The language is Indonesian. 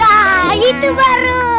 wah gitu baru